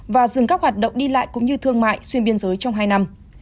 và dừng các hoạt động đi lại cũng như thương mại xuyên biên giới trong hai năm